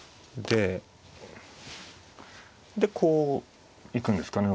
でこう行くんですかね